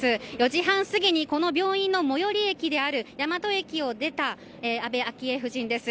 ４時半過ぎにこの病院の最寄り駅である大和駅を出た安倍昭恵夫人です。